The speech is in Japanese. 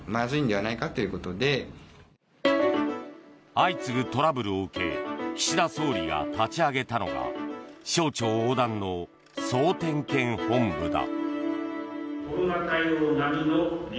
相次ぐトラブルを受け岸田総理が立ち上げたのが省庁横断の総点検本部だ。